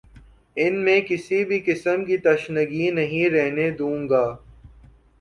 ان میں کسی بھی قسم کی تشنگی نہیں رہنے دوں گا